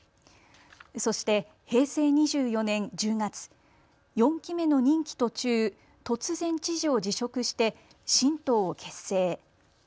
そして、平成２４年１０月、４期目の任期途中、突然知事を辞職して新党を結成。